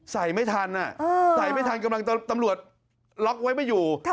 ใส่ไม่ทันใส่ไม่ทันกำลังตำรวจล็อกไว้ไม่อยู่